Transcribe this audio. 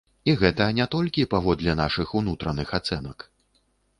І гэта не толькі паводле нашых унутраных ацэнак.